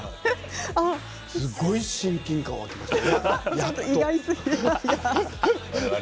すごい親近感湧きました。